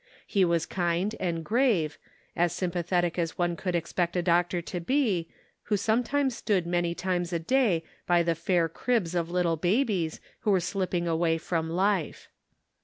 He was kind and grave, as sympathetic as one could expect a doctor to be, who sometimes stood many times a day by the fair cribs of little babies who were slipping away from life.